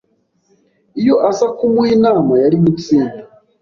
Iyo aza kumuha inama, yari gutsinda.